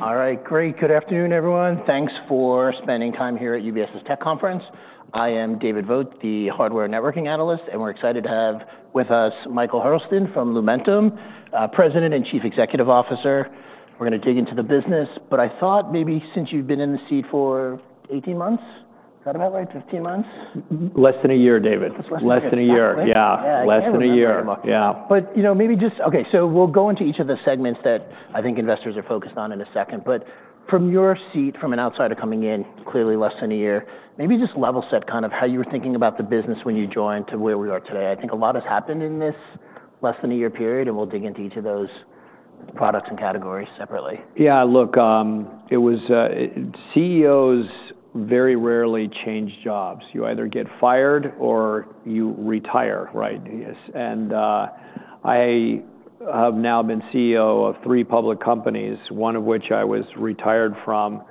All right, great. Good afternoon, everyone. Thanks for spending time here at UBS's Tech Conference. I am David Vogt, the Hardware Networking Analyst, and we're excited to have with us Michael Hurlston from Lumentum, President and Chief Executive Officer. We're going to dig into the business, but I thought maybe since you've been in the seat for 18 months, is that about right? 15 months? Less than a year, David. Less than a year. Yeah, but you know, maybe just, okay, so we'll go into each of the segments that I think investors are focused on in a second, but from your seat, from an outsider coming in, clearly less than a year, maybe just level set kind of how you were thinking about the business when you joined to where we are today. I think a lot has happened in this less than a year period, and we'll dig into each of those products and categories separately. Yeah, look, it was. CEOs very rarely change jobs. You either get fired or you retire, right? Yes. And I have now been CEO of three public companies, one of which I was retired from,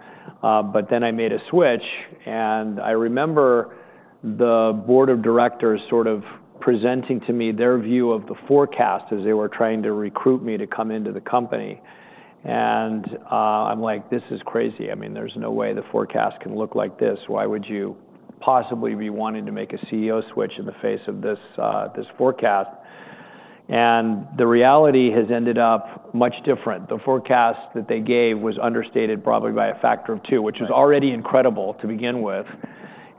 but then I made a switch. And I remember the board of directors sort of presenting to me their view of the forecast as they were trying to recruit me to come into the company. And I'm like, this is crazy. I mean, there's no way the forecast can look like this. Why would you possibly be wanting to make a CEO switch in the face of this forecast? And the reality has ended up much different. The forecast that they gave was understated probably by a factor of two, which was already incredible to begin with.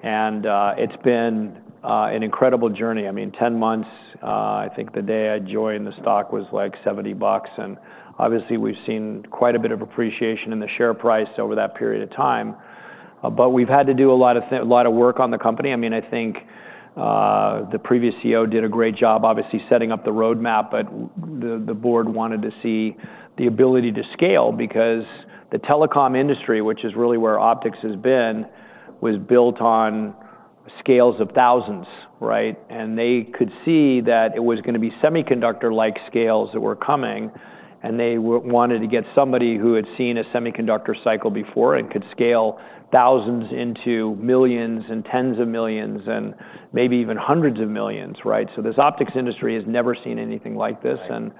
And it's been an incredible journey. I mean, 10 months, I think the day I joined, the stock was like $70. And obviously, we've seen quite a bit of appreciation in the share price over that period of time. But we've had to do a lot of things, a lot of work on the company. I mean, I think, the previous CEO did a great job, obviously setting up the roadmap, but the board wanted to see the ability to scale because the telecom industry, which is really where optics has been, was built on scales of thousands, right? And they could see that it was going to be semiconductor-like scales that were coming. And they wanted to get somebody who had seen a semiconductor cycle before and could scale thousands into millions and tens of millions and maybe even hundreds of millions, right? So this optics industry has never seen anything like this. And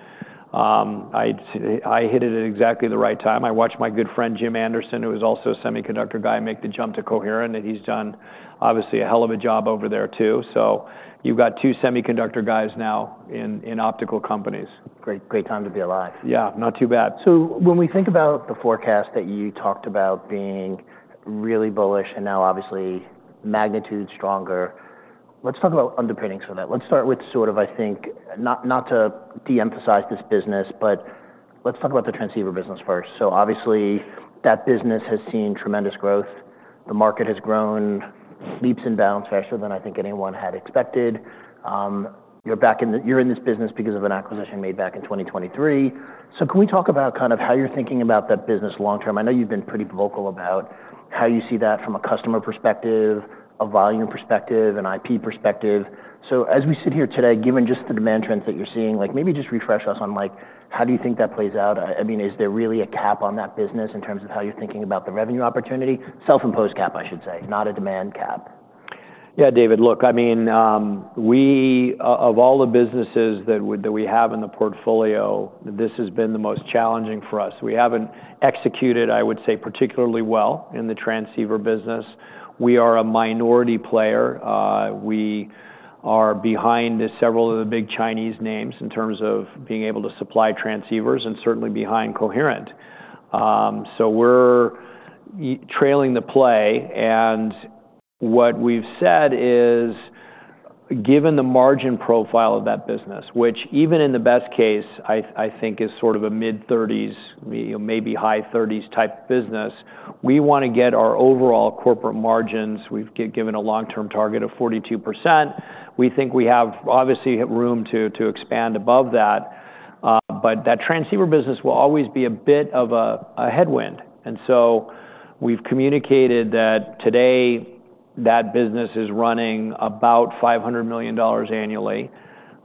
I hit it at exactly the right time. I watched my good friend Jim Anderson, who was also a semiconductor guy, make the jump to Coherent, and he's done obviously a hell of a job over there too. So you've got two semiconductor guys now in optical companies. Great, great time to be alive. Yeah, not too bad. So when we think about the forecast that you talked about being really bullish and now obviously magnitude stronger, let's talk about underpinnings for that. Let's start with sort of, I think, not to de-emphasize this business, but let's talk about the transceiver business first. So obviously, that business has seen tremendous growth. The market has grown leaps and bounds faster than I think anyone had expected. You're back in the, you're in this business because of an acquisition made back in 2023. So can we talk about kind of how you're thinking about that business long term? I know you've been pretty vocal about how you see that from a customer perspective, a volume perspective, an IP perspective. So as we sit here today, given just the demand trends that you're seeing, like maybe just refresh us on like, how do you think that plays out? I mean, is there really a cap on that business in terms of how you're thinking about the revenue opportunity? Self-imposed cap, I should say, not a demand cap. Yeah, David, look, I mean, we, of all the businesses that we have in the portfolio, this has been the most challenging for us. We haven't executed, I would say, particularly well in the transceiver business. We are a minority player. We are behind several of the big Chinese names in terms of being able to supply transceivers and certainly behind Coherent. So we're trailing the play. And what we've said is, given the margin profile of that business, which even in the best case, I think is sort of a mid-30s, maybe high-30s type business, we want to get our overall corporate margins. We've given a long-term target of 42%. We think we have obviously room to expand above that. But that transceiver business will always be a bit of a headwind. And so we've communicated that today that business is running about $500 million annually.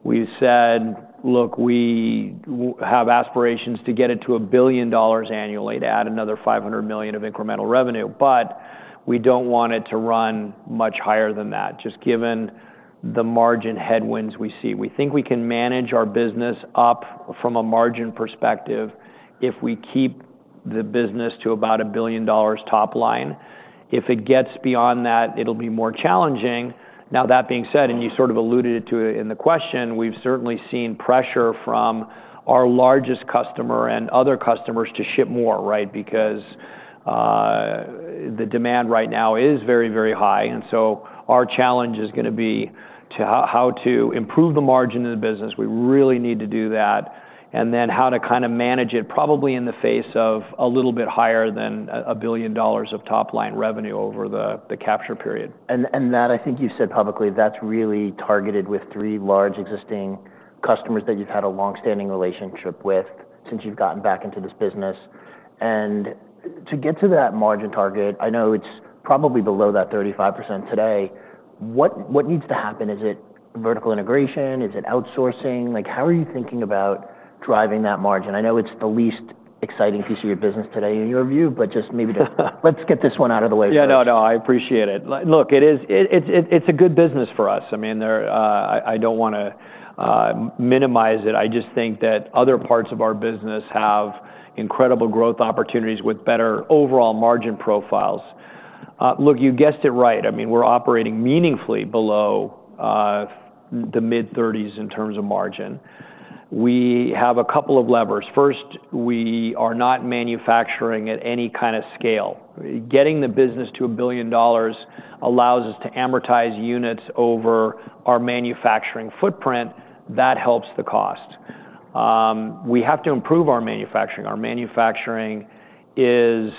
We've said, look, we have aspirations to get it to $1 billion annually to add another $500 million of incremental revenue, but we don't want it to run much higher than that, just given the margin headwinds we see. We think we can manage our business up from a margin perspective if we keep the business to about $1 billion top line. If it gets beyond that, it'll be more challenging. Now, that being said, and you sort of alluded to it in the question, we've certainly seen pressure from our largest customer and other customers to ship more, right? Because the demand right now is very, very high. And so our challenge is going to be to how to improve the margin of the business. We really need to do that. And then how to kind of manage it probably in the face of a little bit higher than $1 billion of top line revenue over the capture period. And that, I think you've said publicly, that's really targeted with three large existing customers that you've had a long-standing relationship with since you've gotten back into this business. And to get to that margin target, I know it's probably below that 35% today. What needs to happen? Is it vertical integration? Is it outsourcing? Like, how are you thinking about driving that margin? I know it's the least exciting piece of your business today in your view, but just maybe let's get this one out of the way. Yeah, no, no, I appreciate it. Look, it is, it's a good business for us. I mean, there are, I don't want to minimize it. I just think that other parts of our business have incredible growth opportunities with better overall margin profiles. Look, you guessed it right. I mean, we're operating meaningfully below the mid-30s in terms of margin. We have a couple of levers. First, we are not manufacturing at any kind of scale. Getting the business to $1 billion allows us to amortize units over our manufacturing footprint. That helps the cost. We have to improve our manufacturing. Our manufacturing is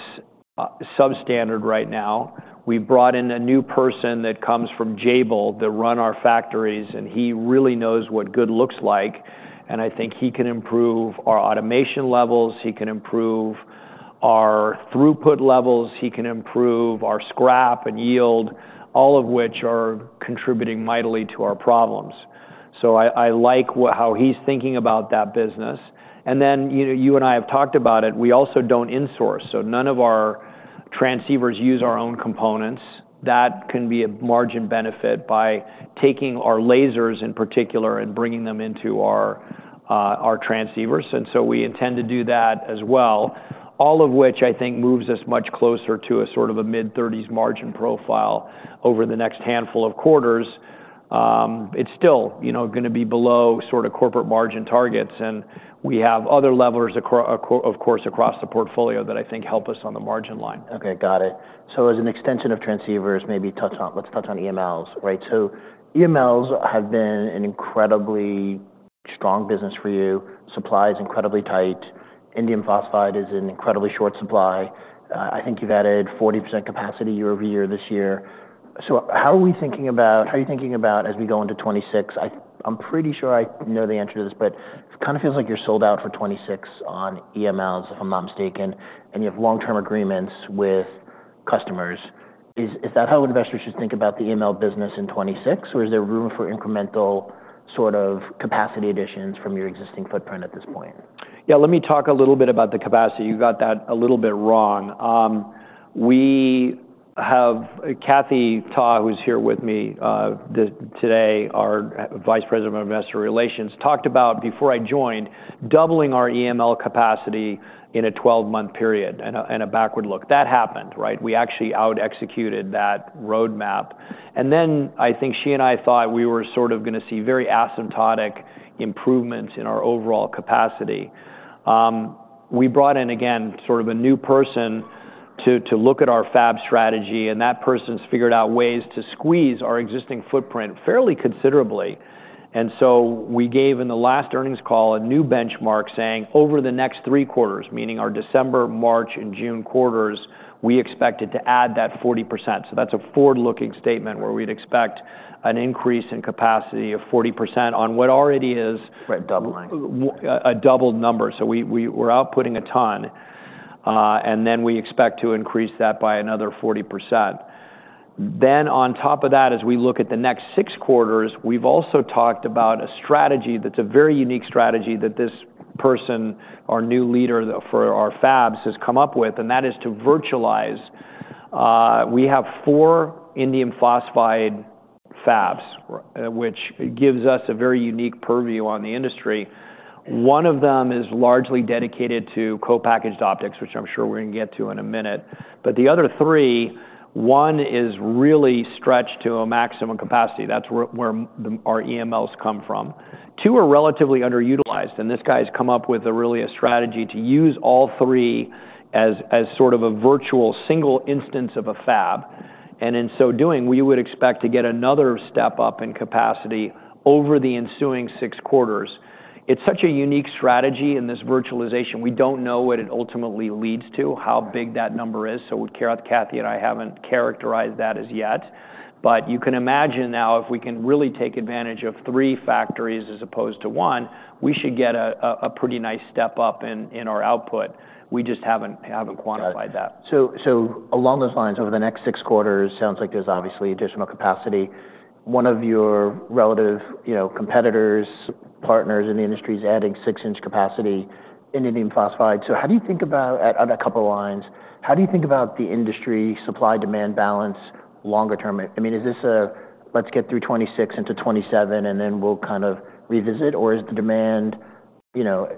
substandard right now. We brought in a new person that comes from Jabil to run our factories, and he really knows what good looks like. And I think he can improve our automation levels. He can improve our throughput levels. He can improve our scrap and yield, all of which are contributing mightily to our problems. So I like how he's thinking about that business. And then you and I have talked about it. We also don't insource. So none of our transceivers use our own components. That can be a margin benefit by taking our lasers in particular and bringing them into our transceivers. And so we intend to do that as well, all of which I think moves us much closer to a sort of a mid-30s margin profile over the next handful of quarters. It's still, you know, going to be below sort of corporate margin targets. And we have other levers, of course, across the portfolio that I think help us on the margin line. Okay, got it. So as an extension of transceivers, maybe touch on, let's touch on EMLs, right? So EMLs have been an incredibly strong business for you. Supply is incredibly tight. Indium phosphide is in incredibly short supply. I think you've added 40% capacity year-over-year this year. So how are we thinking about, how are you thinking about as we go into 2026? I'm pretty sure I know the answer to this, but it kind of feels like you're sold out for 2026 on EMLs, if I'm not mistaken, and you have long-term agreements with customers. Is that how investors should think about the EML business in 2026? Or is there room for incremental sort of capacity additions from your existing footprint at this point? Yeah, let me talk a little bit about the capacity. You got that a little bit wrong. We have Kathy Ta, who's here with me today, our Vice President of Investor Relations, talked about before I joined doubling our EML capacity in a 12-month period and a backward look. That happened, right? We actually out-executed that roadmap. And then I think she and I thought we were sort of going to see very asymptotic improvements in our overall capacity. We brought in again sort of a new person to look at our fab strategy, and that person's figured out ways to squeeze our existing footprint fairly considerably. And so we gave in the last earnings call a new benchmark saying over the next three quarters, meaning our December, March, and June quarters, we expect it to add that 40%. That's a forward-looking statement where we'd expect an increase in capacity of 40% on what already is. Right, doubling. A doubled number. So we're outputting a ton, and then we expect to increase that by another 40%. Then on top of that, as we look at the next six quarters, we've also talked about a strategy that's a very unique strategy that this person, our new leader for our fabs, has come up with, and that is to virtualize. We have four indium phosphide fabs, which gives us a very unique purview on the industry. One of them is largely dedicated to co-packaged optics, which I'm sure we're going to get to in a minute. But the other three, one is really stretched to a maximum capacity. That's where our EMLs come from. Two are relatively underutilized, and this guy has come up with a really strategy to use all three as sort of a virtual single instance of a fab. In so doing, we would expect to get another step up in capacity over the ensuing six quarters. It's such a unique strategy in this virtualization. We don't know what it ultimately leads to, how big that number is. Kathy and I haven't characterized that as yet. You can imagine now if we can really take advantage of three factories as opposed to one, we should get a pretty nice step up in our output. We just haven't quantified that. Along those lines, over the next six quarters, sounds like there's obviously additional capacity. One of your relative, you know, competitors, partners in the industry is adding 6 in capacity in indium phosphide. How do you think about, on a couple of lines, how do you think about the industry supply-demand balance longer term? I mean, is this a, let's get through 2026 into 2027 and then we'll kind of revisit, or is the demand, you know,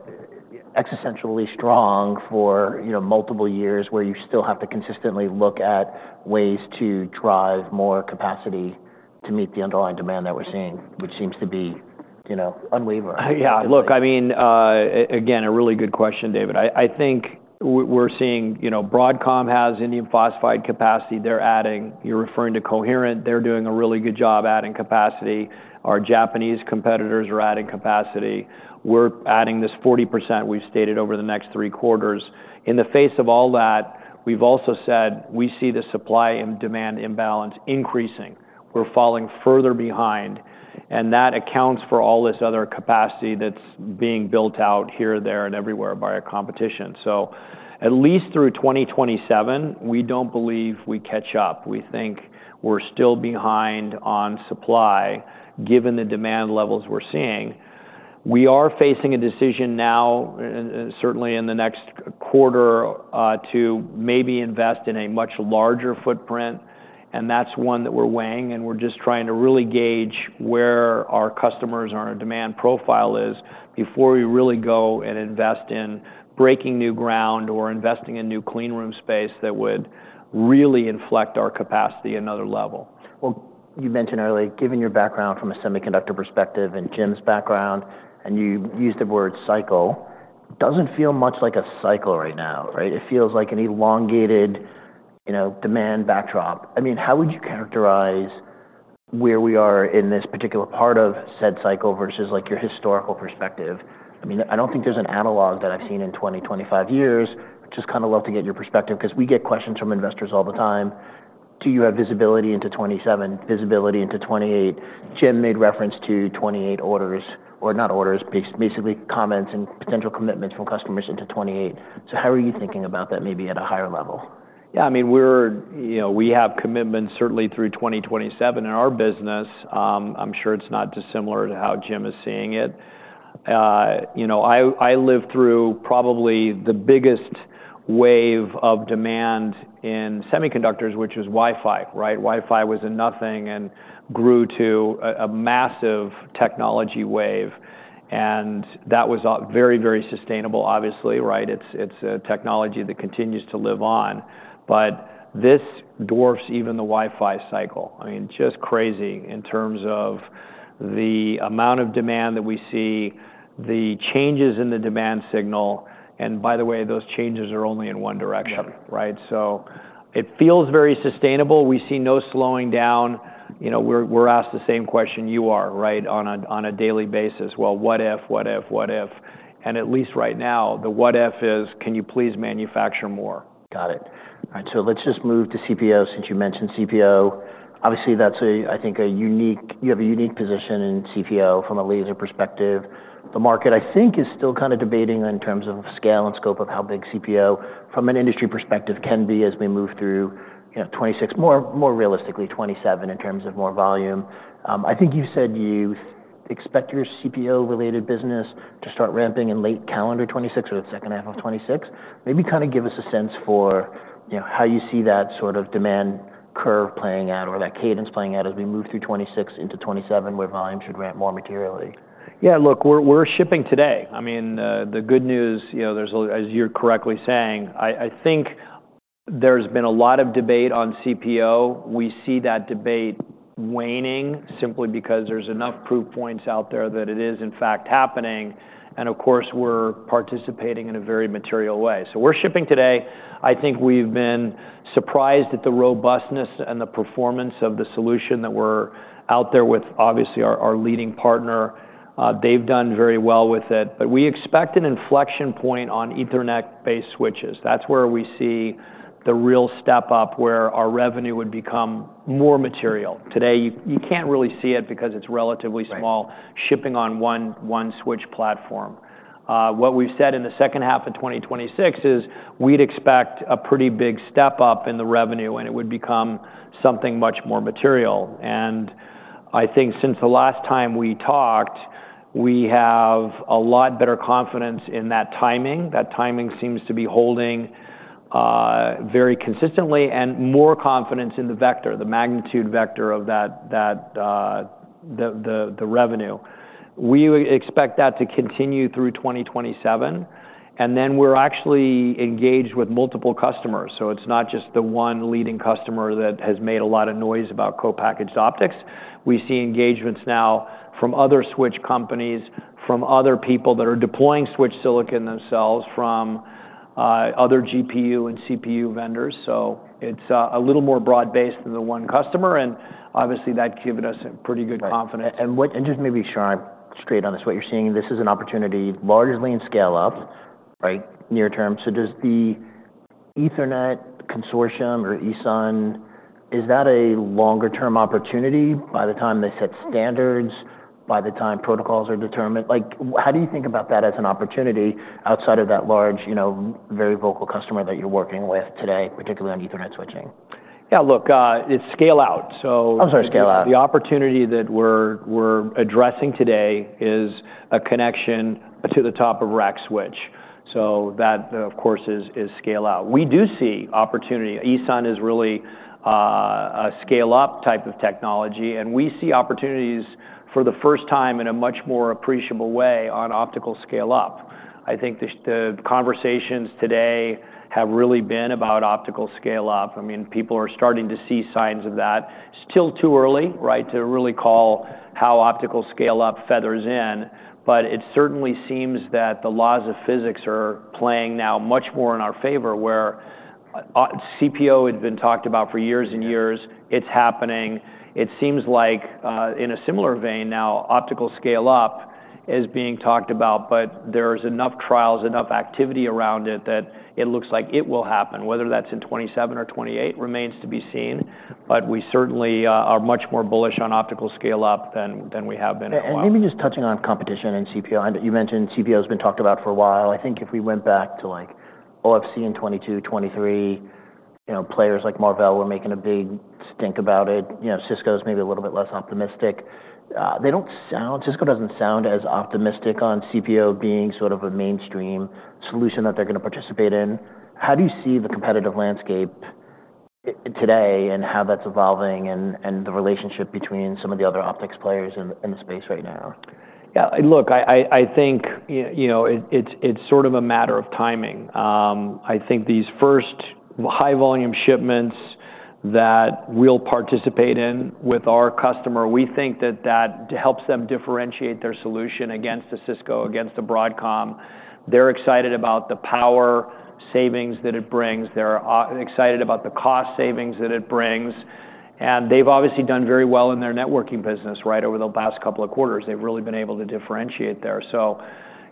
existentially strong for, you know, multiple years where you still have to consistently look at ways to drive more capacity to meet the underlying demand that we're seeing, which seems to be, you know, unwavering? Yeah, look, I mean, again, a really good question, David. I think we're seeing, you know, Broadcom has indium phosphide capacity. They're adding, you're referring to Coherent, they're doing a really good job adding capacity. Our Japanese competitors are adding capacity. We're adding this 40% we've stated over the next three quarters. In the face of all that, we've also said we see the supply and demand imbalance increasing. We're falling further behind. And that accounts for all this other capacity that's being built out here, there, and everywhere by our competition. So at least through 2027, we don't believe we catch up. We think we're still behind on supply given the demand levels we're seeing. We are facing a decision now, certainly in the next quarter, to maybe invest in a much larger footprint. And that's one that we're weighing. We're just trying to really gauge where our customers and our demand profile is before we really go and invest in breaking new ground or investing in new clean room space that would really inflect our capacity at another level. Well, you mentioned earlier, given your background from a semiconductor perspective and Jim's background, and you used the word cycle, it doesn't feel much like a cycle right now, right? It feels like an elongated, you know, demand backdrop. I mean, how would you characterize where we are in this particular part of said cycle versus like your historical perspective? I mean, I don't think there's an analog that I've seen in 2020, 2025 years. Just kind of love to get your perspective because we get questions from investors all the time. Do you have visibility into 2027? Visibility into 2028? Jim made reference to 2028 orders, or not orders, basically comments and potential commitments from customers into 2028. So how are you thinking about that maybe at a higher level? Yeah, I mean, we're, you know, we have commitments certainly through 2027 in our business. I'm sure it's not dissimilar to how Jim is seeing it. You know, I lived through probably the biggest wave of demand in semiconductors, which was Wi-Fi, right? Wi-Fi was a nothing and grew to a massive technology wave. And that was very, very sustainable, obviously, right? It's a technology that continues to live on. But this dwarfs even the Wi-Fi cycle. I mean, just crazy in terms of the amount of demand that we see, the changes in the demand signal. And by the way, those changes are only in one direction, right? So it feels very sustainable. We see no slowing down. You know, we're asked the same question you are, right, on a daily basis. Well, what if, what if, what if? At least right now, the what if is, can you please manufacture more? Got it. All right. So let's just move to CPO since you mentioned CPO. Obviously, that's a, I think, a unique, you have a unique position in CPO from a laser perspective. The market, I think, is still kind of debating in terms of scale and scope of how big CPO from an industry perspective can be as we move through, you know, 2026, more realistically 2027 in terms of more volume. I think you said you expect your CPO-related business to start ramping in late calendar 2026 or the second half of 2026. Maybe kind of give us a sense for, you know, how you see that sort of demand curve playing out or that cadence playing out as we move through 2026 into 2027 where volume should ramp more materially. Yeah, look, we're shipping today. I mean, the good news, you know, as you're correctly saying, I think there's been a lot of debate on CPO. We see that debate waning simply because there's enough proof points out there that it is in fact happening, and of course, we're participating in a very material way, so we're shipping today. I think we've been surprised at the robustness and the performance of the solution that we're out there with, obviously, our leading partner. They've done very well with it, but we expect an inflection point on Ethernet-based switches. That's where we see the real step up where our revenue would become more material. Today, you can't really see it because it's relatively small shipping on one switch platform. What we've said in the 2nd half of 2026 is we'd expect a pretty big step up in the revenue, and it would become something much more material. And I think since the last time we talked, we have a lot better confidence in that timing. That timing seems to be holding very consistently and more confidence in the vector, the magnitude vector of the revenue. We expect that to continue through 2027. And then we're actually engaged with multiple customers. So it's not just the one leading customer that has made a lot of noise about co-packaged optics. We see engagements now from other switch companies, from other people that are deploying switch silicon themselves, from other GPU and CPU vendors. So it's a little more broad-based than the one customer. And obviously, that's given us pretty good confidence. Just maybe sharp straight on this, what you're seeing. This is an opportunity largely in scale-up, right, near term. Does the Ethernet consortium or ESON a longer-term opportunity by the time they set standards, by the time protocols are determined? Like, how do you think about that as an opportunity outside of that large, you know, very vocal customer that you're working with today, particularly on Ethernet switching? Yeah, look, it's scale-out. I'm sorry, scale-out. The opportunity that we're addressing today is a connection to the top-of-rack switch, so that, of course, is scale-out. We do see opportunity. ESON is really a scale-up type of technology. We see opportunities for the 1st time in a much more appreciable way on optical scale-up. I think the conversations today have really been about optical scale-up. I mean, people are starting to see signs of that. Still too early, right, to really call how optical scale-up factors in. But it certainly seems that the laws of physics are weighing now much more in our favor where CPO had been talked about for years and years. It's happening. It seems like in a similar vein now, optical scale-up is being talked about, but there's enough trials, enough activity around it that it looks like it will happen. Whether that's in 2027 or 2028 remains to be seen. But we certainly are much more bullish on optical scale-up than we have been at long. And maybe just touching on competition and CPO, you mentioned CPO has been talked about for a while. I think if we went back to like OFC in 2022, 2023, you know, players like Marvell were making a big stink about it. You know, Cisco's maybe a little bit less optimistic. Cisco doesn't sound as optimistic on CPO being sort of a mainstream solution that they're going to participate in. How do you see the competitive landscape today and how that's evolving and the relationship between some of the other optics players in the space right now? Yeah, look, I think, you know, it's sort of a matter of timing. I think these first high-volume shipments that we'll participate in with our customer, we think that that helps them differentiate their solution against a Cisco, against a Broadcom. They're excited about the power savings that it brings. They're excited about the cost savings that it brings. And they've obviously done very well in their networking business, right, over the last couple of quarters. They've really been able to differentiate there. So,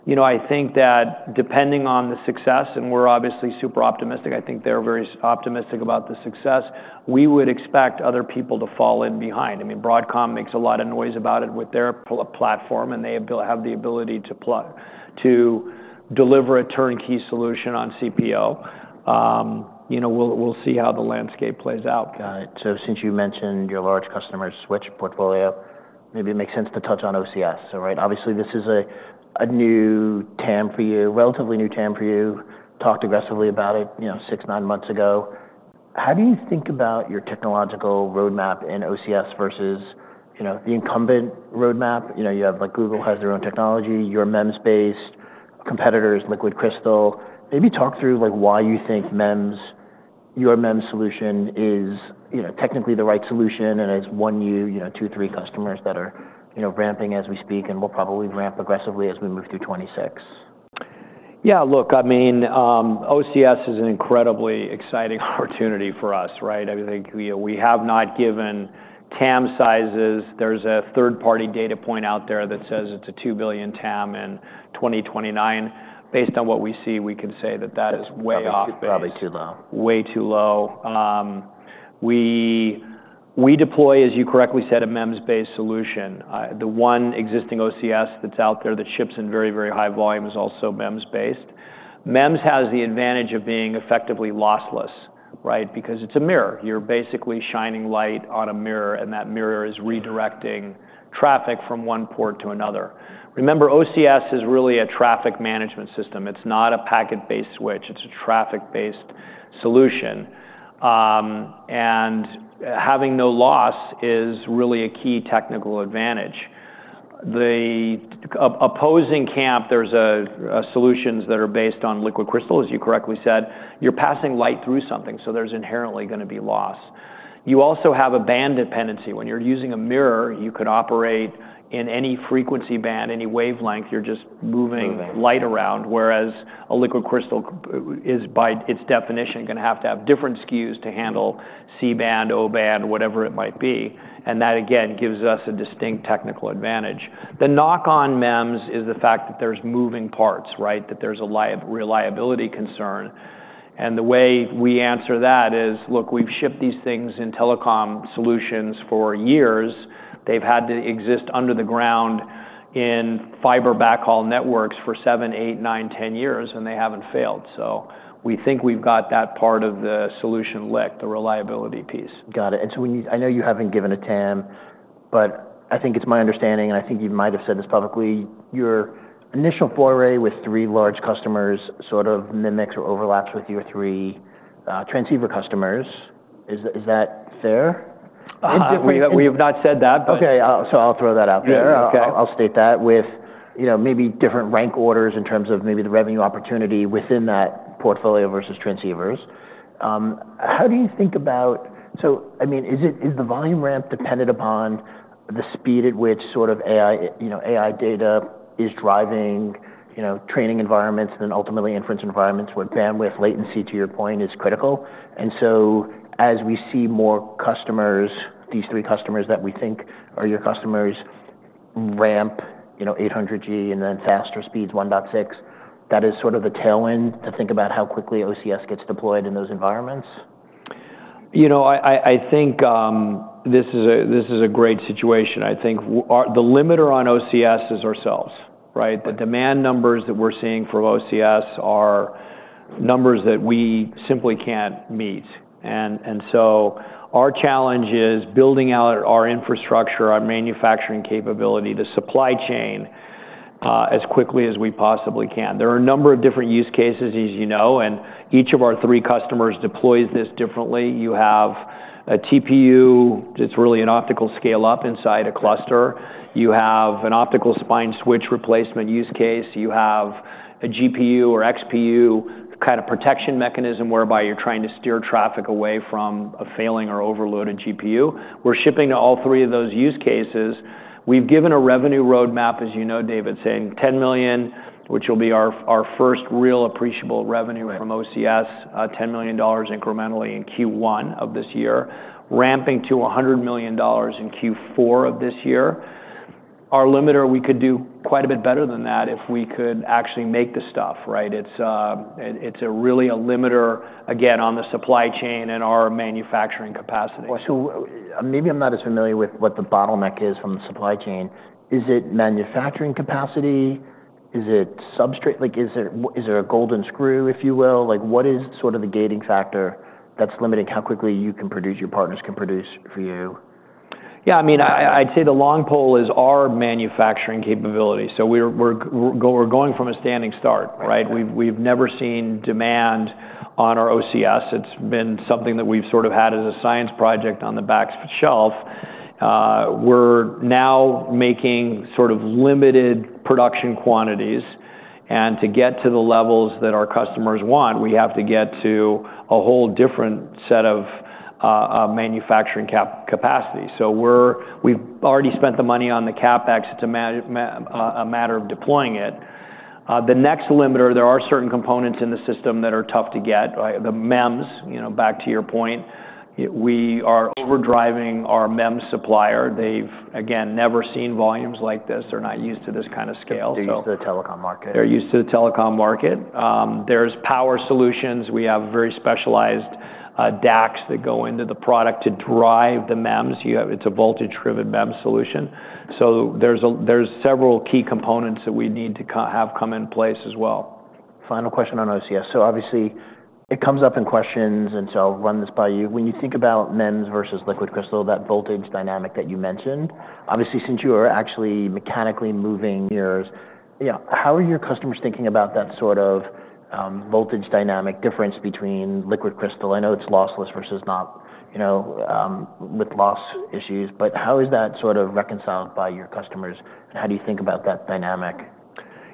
you know, I think that depending on the success, and we're obviously super optimistic, I think they're very optimistic about the success. We would expect other people to fall in behind. I mean, Broadcom makes a lot of noise about it with their platform, and they have the ability to deliver a turnkey solution on CPO. You know, we'll see how the landscape plays out. Got it. So since you mentioned your large customer switch portfolio, maybe it makes sense to touch on OCS. So, right, obviously this is a new TAM for you, relatively new TAM for you. Talked aggressively about it, you know, six, nine months ago. How do you think about your technological roadmap in OCS versus, you know, the incumbent roadmap? You know, you have like Google has their own technology, your MEMS-based, competitors, Liquid Crystal. Maybe talk through like why you think MEMS, your MEMS solution is, you know, technically the right solution and has won you, you know, two, three customers that are, you know, ramping as we speak and will probably ramp aggressively as we move through 2026. Yeah, look, I mean, OCS is an incredibly exciting opportunity for us, right? I think we have not given TAM sizes. There's a 3rd party data point out there that says it's a 2 billion TAM in 2029. Based on what we see, we can say that that is way off. Probably too low. Way too low. We deploy, as you correctly said, a MEMS-based solution. The one existing OCS that's out there that ships in very, very high volume is also MEMS-based. MEMS has the advantage of being effectively lossless, right? Because it's a mirror. You're basically shining light on a mirror and that mirror is redirecting traffic from one port to another. Remember, OCS is really a traffic management system. It's not a packet-based switch. It's a traffic-based solution. And having no loss is really a key technical advantage. The opposing camp, there's solutions that are based on Liquid Crystal, as you correctly said. You're passing light through something, so there's inherently going to be loss. You also have a band dependency. When you're using a mirror, you could operate in any frequency band, any wavelength. You're just moving light around, whereas a Liquid Crystal is, by its definition, going to have to have different SKUs to handle C-band, O-band, whatever it might be. And that, again, gives us a distinct technical advantage. The knock-on MEMS is the fact that there's moving parts, right? That there's a reliability concern. And the way we answer that is, look, we've shipped these things in telecom solutions for years. They've had to exist under the ground in fiber backhaul networks for seven, eight, nine, 10 years, and they haven't failed. So we think we've got that part of the solution licked, the reliability piece. Got it. And so I know you haven't given a TAM, but I think it's my understanding, and I think you might have said this publicly, your initial foray with three large customers sort of mimics or overlaps with your three transceiver customers. Is that fair? We have not said that, but. Okay, so I'll throw that out there. I'll state that with, you know, maybe different rank orders in terms of maybe the revenue opportunity within that portfolio versus transceivers. How do you think about, so I mean, is the volume ramp dependent upon the speed at which sort of AI, you know, AI data is driving, you know, training environments and then ultimately inference environments where bandwidth latency, to your point, is critical? And so as we see more customers, these three customers that we think are your customers ramp, you know, 800G and then faster speeds 1.6, that is sort of the tail end to think about how quickly OCS gets deployed in those environments? You know, I think this is a great situation. I think the limiter on OCS is ourselves, right? The demand numbers that we're seeing for OCS are numbers that we simply can't meet, and so our challenge is building out our infrastructure, our manufacturing capability, the supply chain as quickly as we possibly can. There are a number of different use cases, as you know, and each of our three customers deploys this differently. You have a TPU, it's really an optical scale-up inside a cluster. You have an optical spine switch replacement use case. You have a GPU or XPU kind of protection mechanism whereby you're trying to steer traffic away from a failing or overloaded GPU. We're shipping to all three of those use cases. We've given a revenue roadmap, as you know, David, saying $10 million, which will be our 1st real appreciable revenue from OCS, $10 million incrementally in Q1 of this year, ramping to $100 million in Q4 of this year. Our limiter, we could do quite a bit better than that if we could actually make the stuff, right? It's really a limiter, again, on the supply chain and our manufacturing capacity. So maybe I'm not as familiar with what the bottleneck is from the supply chain. Is it manufacturing capacity? Is it substrate? Like, is there a golden screw, if you will? Like, what is sort of the gating factor that's limiting how quickly you can produce, your partners can produce for you? Yeah, I mean, I'd say the long pole is our manufacturing capability. So we're going from a standing start, right? We've never seen demand on our OCS. It's been something that we've sort of had as a science project on the back shelf. We're now making sort of limited production quantities. And to get to the levels that our customers want, we have to get to a whole different set of manufacturing capacity. So we've already spent the money on the CapEx. It's a matter of deploying it. The next limiter, there are certain components in the system that are tough to get, the MEMS, you know, back to your point. We are overdriving our MEMS supplier. They've, again, never seen volumes like this. They're not used to this kind of scale. They're used to the telecom market. They're used to the telecom market. There's power solutions. We have very specialized DACs that go into the product to drive the MEMS. It's a voltage-driven MEMS solution. So there's several key components that we need to have come in place as well. Final question on OCS. So obviously, it comes up in questions, and so I'll run this by you. When you think about MEMS versus Liquid Crystal, that voltage dynamic that you mentioned, obviously, since you are actually mechanically moving. Yeah, you know, how are your customers thinking about that sort of voltage dynamic difference between Liquid Crystal? I know it's lossless versus not, you know, with loss issues, but how is that sort of reconciled by your customers? And how do you think about that dynamic?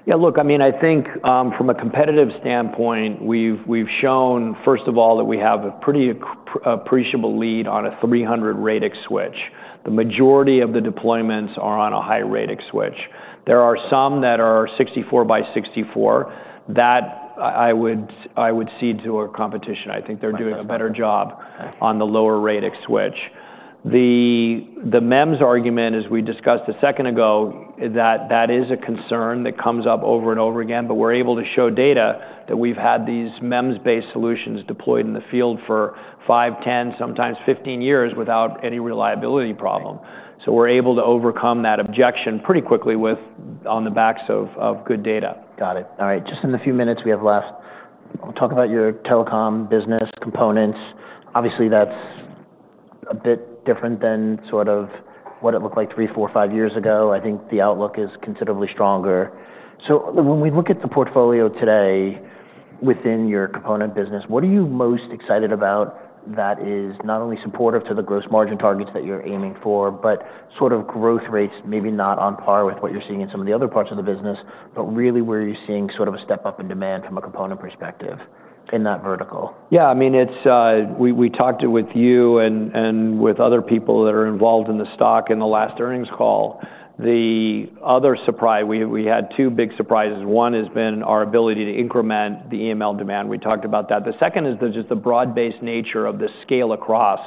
Yeah, look, I mean, I think from a competitive standpoint, we've shown, first of all, that we have a pretty appreciable lead on a 300-radix switch. The majority of the deployments are on a High-radix switch. There are some that are 64 by 64. That I would cede to our competition. I think they're doing a better job on the lower-radix switch. The MEMS argument, as we discussed a second ago, that that is a concern that comes up over and over again, but we're able to show data that we've had these MEMS-based solutions deployed in the field for five, 10, sometimes 15 years without any reliability problem. So we're able to overcome that objection pretty quickly on the backs of good data. Got it. All right. Just in the few minutes we have left, we'll talk about your telecom business components. Obviously, that's a bit different than sort of what it looked like three, four, five years ago. I think the outlook is considerably stronger. So when we look at the portfolio today within your component business, what are you most excited about that is not only supportive to the gross margin targets that you're aiming for, but sort of growth rates maybe not on par with what you're seeing in some of the other parts of the business, but really where you're seeing sort of a step up in demand from a component perspective in that vertical? Yeah, I mean, we talked with you and with other people that are involved in the stock in the last earnings call. The other surprise, we had two big surprises. One has been our ability to increment the EML demand. We talked about that. The second is just the broad-based nature of the scale-across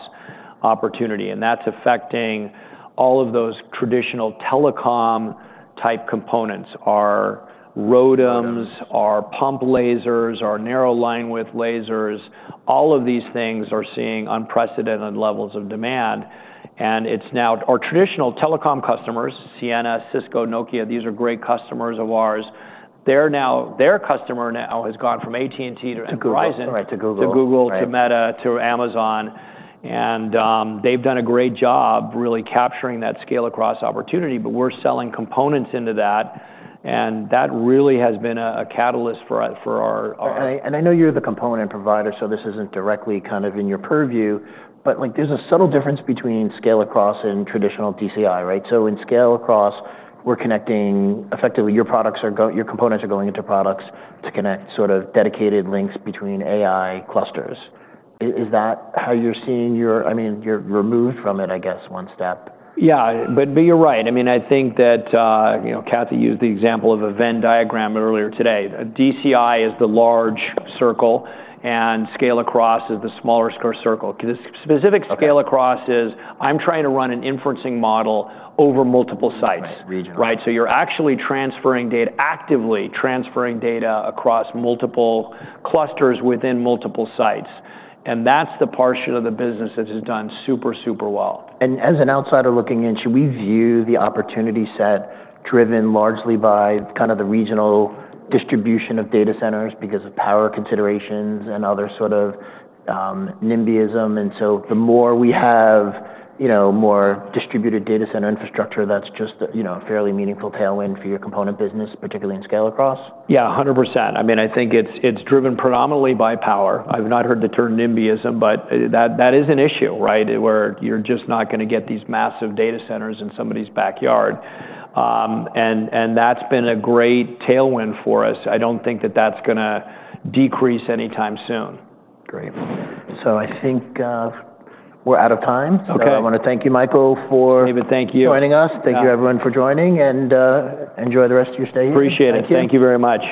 opportunity, and that's affecting all of those traditional telecom-type components, our ROADMs, our pump lasers, our narrow linewidth lasers. All of these things are seeing unprecedented levels of demand. It's now our traditional telecom customers, CNS, Cisco, Nokia. These are great customers of ours. Their customer now has gone from AT&T to Verizon. To Google, right, to Google. To Google, to Meta, to Amazon. And they've done a great job really capturing that scale-across opportunity, but we're selling components into that. And that really has been a catalyst for our. I know you're the component provider, so this isn't directly kind of in your purview, but like there's a subtle difference between scale-across and traditional DCI, right? In scale-across, we're connecting effectively your products are going, your components are going into products to connect sort of dedicated links between AI clusters. Is that how you're seeing your, I mean, you're removed from it, I guess, one step? Yeah, but you're right. I mean, I think that, you know, Kathy used the example of a Venn diagram earlier today. DCI is the large circle and scale-across is the smaller circle. The specific scale-across is I'm trying to run an inferencing model over multiple sites, right? So you're actually transferring data, actively transferring data across multiple clusters within multiple sites. And that's the part of the business that has done super, super well. As an outsider looking in, should we view the opportunity set driven largely by kind of the regional distribution of data centers because of power considerations and other sort of NIMBYism? So the more we have, you know, more distributed data center infrastructure, that's just, you know, a fairly meaningful tailwind for your component business, particularly in scale-across. Yeah, 100%. I mean, I think it's driven predominantly by power. I've not heard the term NIMBYism, but that is an issue, right? Where you're just not going to get these massive data centers in somebody's backyard. And that's been a great tailwind for us. I don't think that that's going to decrease anytime soon. Great. So I think we're out of time. So I want to thank you, Michael, for. David, thank you. Joining us. Thank you, everyone, for joining, and enjoy the rest of your stay here. Appreciate it. Thank you very much.